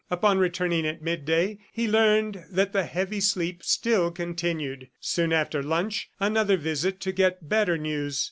Upon returning at midday, he learned that the heavy sleep still continued. Soon after lunch, another visit to get better news.